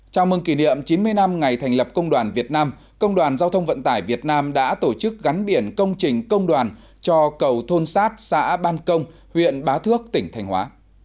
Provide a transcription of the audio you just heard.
chào mừng kỷ niệm chín mươi năm ngày thành lập công đoàn việt nam công đoàn giao thông vận tải việt nam đã tổ chức gắn biển công trình công đoàn cho cầu thôn sát xã ban công huyện bá thước tỉnh thành hóa